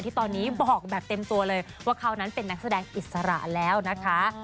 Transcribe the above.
ที่ตอนนี้บอกแบบเต็มตัวเลยว่าเขานั้นเป็นนักแสดงอิสระแล้วนะคะ